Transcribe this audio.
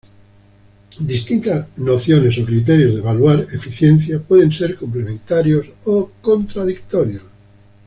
Distintas nociones o criterios de evaluar eficiencia pueden ser complementarios o contradictorios.